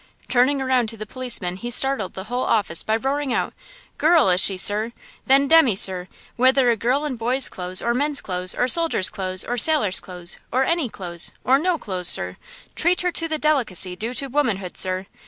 Turning around to the policeman he startled the whole office by roaring out: "Girl, is she, sir? Then, demmy, sir, whether a girl in boy's clothes, or men's clothes, or soldier's clothes, or sailor's clothes, or any clothes, or no clothes, sir, treat her with the delicacy due to womanhood, sir!